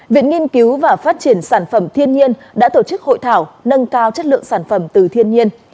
viện nghiên cứu và phát triển sản phẩm thiên nhiên đã tổ chức hội thảo nâng cao chất lượng sản phẩm từ thiên nhiên